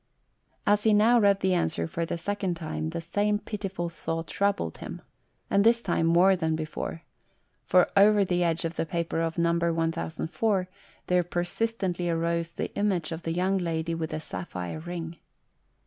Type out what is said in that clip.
As he now read the answer for the second time, the same pitiful thought troubled him, and this time more than before ; for over the edge of the paper of No. 1004 there persistently arose the image of the young lady with the sapphire ring.